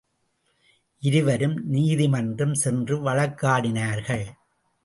இருவரும் நீதிமன்றம் சென்று வழக்காடினார்கள்.